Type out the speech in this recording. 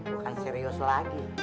bukan serius lagi